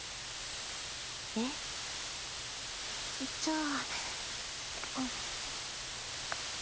ええじゃあ